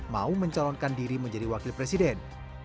mau mencalonkan diri menjadi wakil presiden